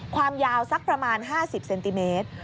ความยาวสักประมาณ๕๐เซนติเมตร